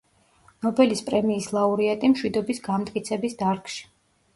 ნობელის პრემიის ლაურეატი მშვიდობის განმტკიცების დარგში.